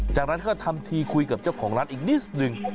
จากนั้นก็ทำทีคุยกับเจ้าของร้านอีกนิดหนึ่ง